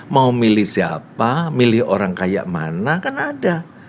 mau milih siapa milih orang kayak mana kan ada